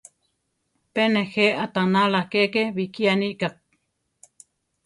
Pe nejé aʼtanála keke bikiánika.